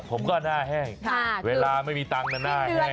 ผมก็หน้าแห้งเวลาไม่มีตังค์นะหน้าแห้ง